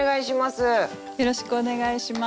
よろしくお願いします。